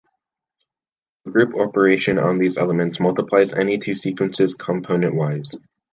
The group operation on these elements multiplies any two sequences componentwise.